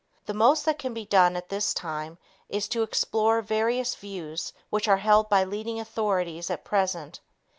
The most that can be done at this time is to explore various views which are held by leading authorities at present.